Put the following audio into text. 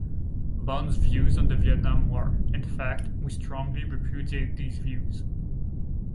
Bond's views on the Vietnam War; in fact we strongly repudiate these views.